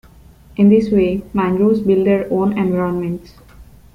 In this way, mangroves build their own environments.